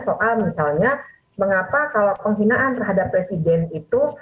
soal misalnya mengapa kalau penghinaan terhadap presiden itu